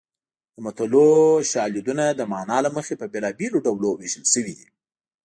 د متلونو شالیدونه د مانا له مخې په بېلابېلو ډولونو ویشل شوي دي